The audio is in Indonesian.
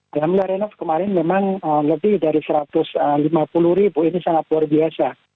alhamdulillah renov kemarin memang lebih dari satu ratus lima puluh ribu ini sangat luar biasa